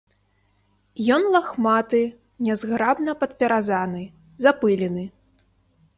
Ён лахматы, нязграбна падпяразаны, запылены.